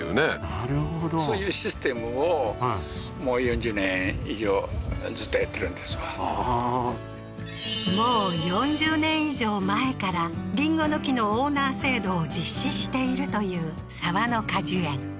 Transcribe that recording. なるほどそういうシステムをはあーもう４０年以上前からりんごの木のオーナー制度を実施しているという沢野果樹園